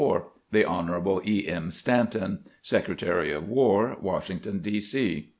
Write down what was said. The Hon. E. M. Stanton, Secretary of War, "Washington, D. C.